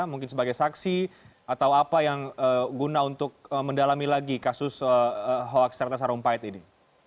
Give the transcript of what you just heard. mungkin sebagai saksi atau apa yang guna untuk mendalami lagi kasus hoax ratna sarumpait ini